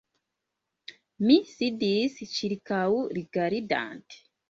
Mi sidis, ĉirkaŭrigardante.